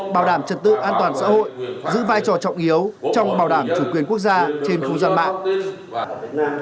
bảo đảm trật tự an toàn xã hội giữ vai trò trọng yếu trong bảo đảm chủ quyền quốc gia trên phố gian mạng